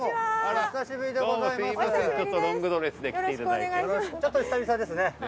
ちょっと久々ですね。